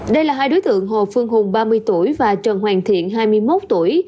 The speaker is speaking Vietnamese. đây là hai đối tượng hồ phương hùng ba mươi tuổi và trần hoàn thiện hai mươi một tuổi